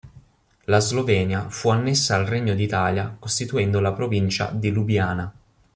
La Slovenia fu annessa al Regno d'Italia costituendo la Provincia di Lubiana.